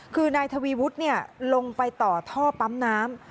คือนายทวีวุฒิลงไปต่อท่อปั๊มน้ำ